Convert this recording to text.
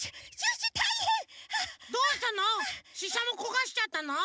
どうしたの？